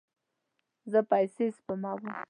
زه پیسې سپموم